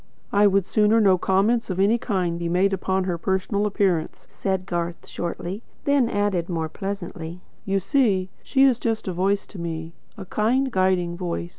"I would sooner no comments of any kind were made upon her personal appearance," said Garth shortly; then added, more pleasantly: "You see, she is just a voice to me a kind, guiding voice.